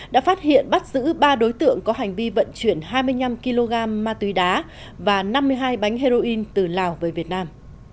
đã phát hiện bắt giữ ba đối tượng có hành vi vận chuyển hai mươi năm kg ma túy đá và năm mươi hai bánh heroin từ lào về việt nam